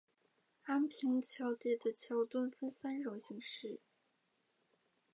安平桥底的桥墩分三种形式。